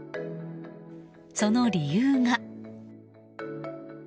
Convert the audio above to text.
その理由が。